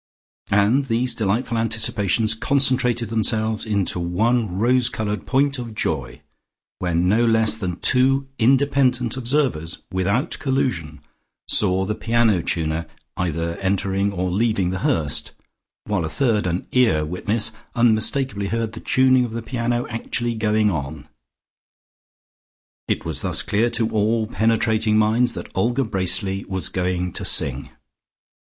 And these delightful anticipations concentrated themselves into one rose coloured point of joy, when no less than two independent observers, without collusion, saw the piano tuner either entering or leaving The Hurst, while a third, an ear witness, unmistakably heard the tuning of the piano actually going on. It was thus clear to all penetrating minds that Olga Bracely was going to sing.